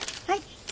はい。